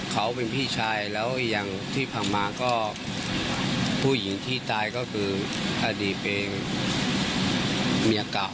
เขาเป็นพี่ชายแล้วอย่างที่ผ่านมาก็ผู้หญิงที่ตายก็คืออดีตเองเมียเก่า